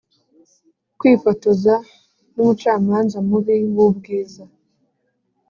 kwifotoza numucamanza mubi wubwiza.